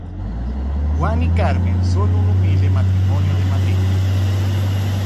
Juan y Carmen son un humilde matrimonio de Madrid.